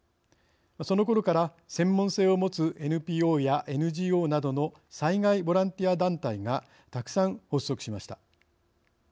そのころから専門性を持つＮＰＯやＮＧＯなどの災害ボランティア団体がたくさん発足しました。